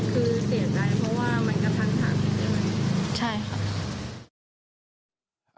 คือเสียใจเพราะว่ามันกำทักใช่ไหม